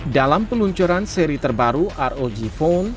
dalam peluncuran seri terbaru rog phone